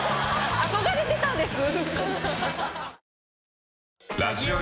憧れてたんです！